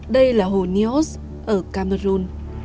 đây là hồ neos ở cameroon